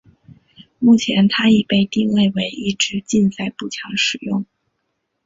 目前它已被定位为一枝竞赛步枪使用。